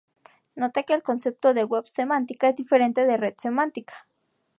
Note que el concepto de Web semántica es diferente de Red semántica.